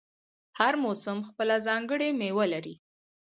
هر موسم خپله ځانګړې میوه لري.